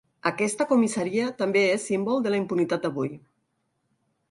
“Aquesta comissaria també és símbol de la impunitat d’avui”.